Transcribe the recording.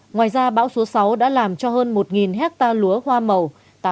ngoài ra bão số sáu đã làm cho hơn một hectare lúa hoa màu